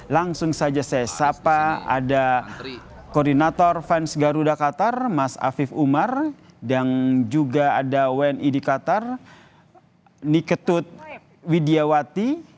langsung saja saya sapa ada koordinator fans garuda qatar mas afif umar dan juga ada wni di qatar niketut widiawati